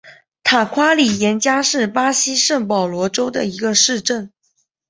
塔夸里廷加是巴西圣保罗州的一个市镇。